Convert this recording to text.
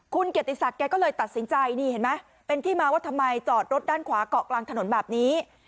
คุณเกดติศักดิ์ก็เลยตัดสินใจเป็นที่มาว่าทำไมจอดรถด้านขวาเกาะกลางถนนแบบนี้